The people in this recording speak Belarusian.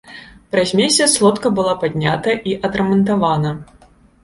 Праз месяц лодка была паднята і адрамантавана.